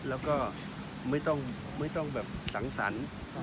แล้วก็ไม่ต้องแบบสังสรรค์